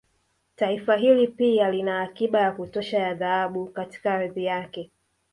Taifa hili pia lina akiba ya kutosha ya Dhahabu katika ardhi yake